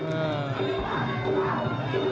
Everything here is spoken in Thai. เออ